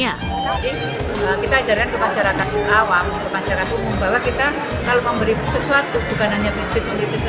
jadi kita ajarkan ke masyarakat awam ke masyarakat umum bahwa kita kalau memberi sesuatu bukan hanya biskuit